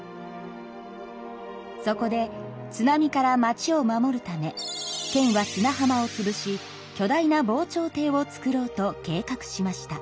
そこで津波から町を守るため県は砂浜をつぶし巨大な防潮堤を造ろうと計画しました。